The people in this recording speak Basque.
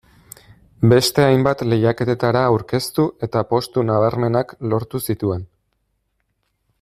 Beste hainbat lehiaketara aurkeztu eta postu nabarmenak lortu zituen.